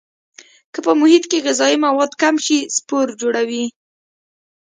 که په محیط کې غذایي مواد کم شي سپور جوړوي.